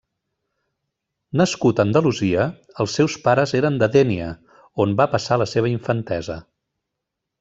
Nascut a Andalusia, els seus pares eren de Dénia, on va passar la seva infantesa.